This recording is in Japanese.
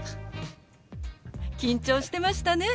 緊張してましたね。